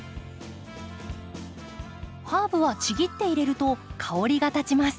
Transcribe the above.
ハーブはちぎって入れると香りがたちます。